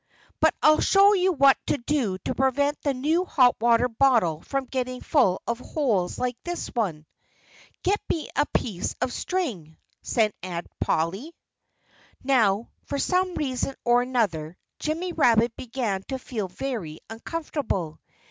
But I'll show you what to do to prevent the new hot water bottle from getting full of holes like this one.... Get me a piece of string!" said Aunt Polly. Now, for some reason or other, Jimmy Rabbit began to feel very uncomfortable.